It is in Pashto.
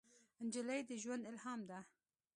نجلۍ د ژوند الهام ده.